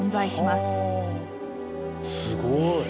すごい。